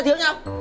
thiếu thế nhá